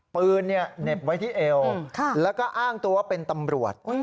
ปืนเหน็บไว้ที่เอวแล้วก็อ้างตัวเป็นตำรวจ